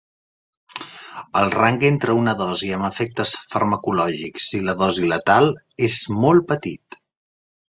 El rang entre una dosi amb efectes farmacològics i la dosi letal és molt petit.